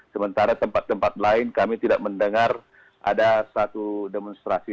sementara tempat tempat lain kami tidak mendengar ada satu demonstrasi